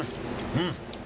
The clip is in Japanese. うん！